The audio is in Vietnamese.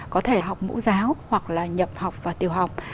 có thể học mẫu giáo hoặc là nhập học và tiểu học